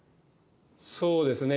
そうですね。